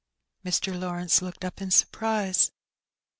Mr. Lawrence looked up in surprise.